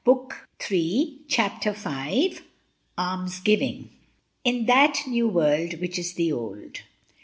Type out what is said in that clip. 79 CHAPTER V. ALMSGIVING. In that new world which is the old.